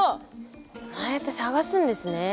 ああやって探すんですね。